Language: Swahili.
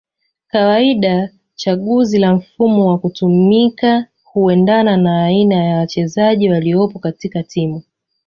kawaida chaguzi la mfumo wa kutumika huendana na aina ya wachezaji waliopo katika timu